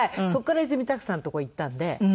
そこからいずみたくさんのとこに行ったんで。